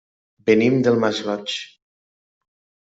Venim del Masroig.